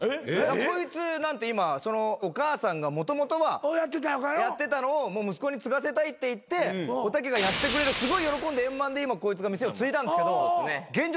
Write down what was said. こいつなんて今お母さんがもともとはやってたのを息子に継がせたいって言っておたけがやってくれるすごい喜んで円満で今こいつが店を継いだんですけど現状